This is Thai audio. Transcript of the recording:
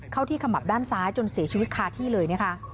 เข้าที่ขมับด้านซ้ายจนเสียชีวิตคาที่เลยนะคะ